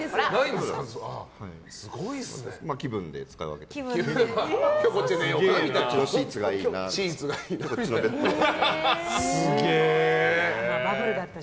気分で使い分けていました。